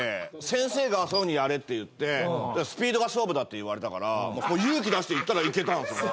先生がそういうふうにやれって言ってスピードが勝負だって言われたから勇気出していったらいけたんですよ。